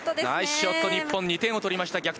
ナイスショット、日本２点を取りました。